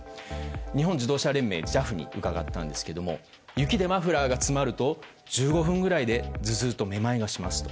日本自動車連盟・ＪＡＦに伺ったんですが雪でマフラーが詰まると１５分ぐらいで頭痛とめまいがしますと。